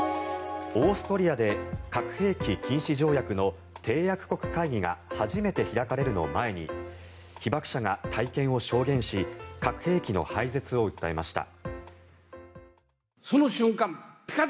オーストリアで核兵器禁止条約の締約国会議が初めて開かれるのを前に被爆者が体験を証言し核兵器の廃絶を訴えました。